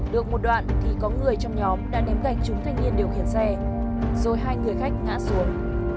được một đoạn thì có người trong nhóm đã ném gạch chúng thanh niên điều khiển xe rồi hai người khách ngã xuống